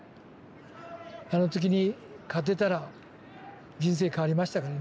あの時に勝てたら人生変わりましたからね。